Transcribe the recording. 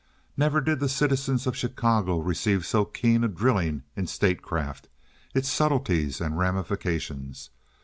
Never did the citizens of Chicago receive so keen a drilling in statecraft—its subtleties and ramifications.